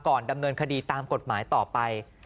ดำเนินคดีตามกฎหมายต่อไป